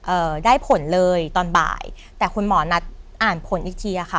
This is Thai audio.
ได้ผลเลยตอนบ่ายแต่คุณหมอนัดอ่านผลอีกทีอ่ะค่ะ